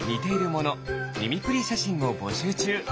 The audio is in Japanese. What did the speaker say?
ミミクリーしゃしんをぼしゅうちゅう。